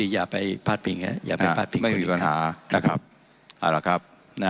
ยังไม่มีปัญหานะครับ